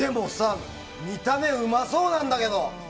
見た目、うまそうなんだけど。